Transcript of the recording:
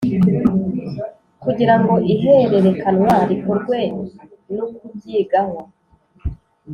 kugira ngo ihererekanwa rikorwe nukubyigaho